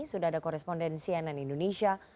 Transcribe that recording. sudah ada korespondensi nn indonesia